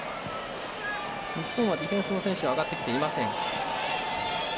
日本はディフェンスの選手上がってきていません。